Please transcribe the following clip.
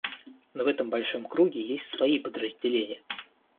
Но в этом большом круге есть свои подразделения.